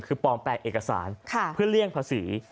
คือปลอมแปลงเอกสารเพื่อเลี่ยงภาษี